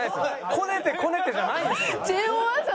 「こねてこねて」じゃないんですよ。